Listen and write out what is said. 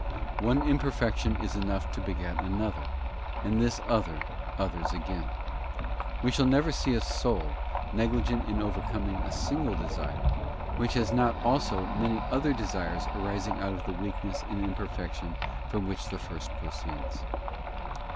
'{ One imperfection is enough to beget another, and this other, others again. We shall never see a soul, negligent in overcoming a single desire, which has not also many other desires arising out of the weakness and imperfection from which the first proceeds.